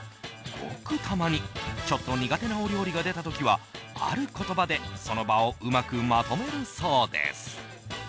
ごくたまにちょっと苦手なお料理が出た時はある言葉でその場をうまくまとめるそうです。